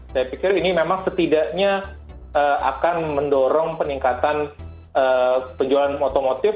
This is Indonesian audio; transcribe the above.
saya pikir ini memang setidaknya akan mendorong peningkatan penjualan otomotif